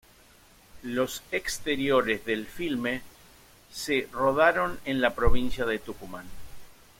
Los exteriores del filme se rodaron en la provincia de Tucumán.